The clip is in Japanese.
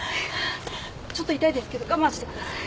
ちょっと痛いですけど我慢してください。